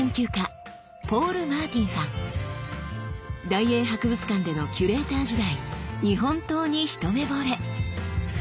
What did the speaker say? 大英博物館でのキュレーター時代日本刀にひとめぼれ。